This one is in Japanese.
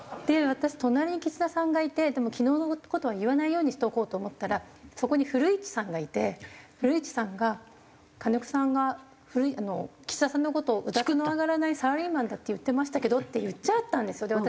で私隣に岸田さんがいてでも昨日の事は言わないようにしておこうと思ったらそこに古市さんがいて古市さんが「金子さんが岸田さんの事をうだつの上がらないサラリーマンだって言ってましたけど」って言っちゃったんですよ。